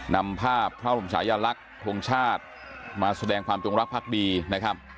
นำภาพพระบรมชายลักษณ์ทรงชาติมาแสดงความจงรักภักดีนะครับ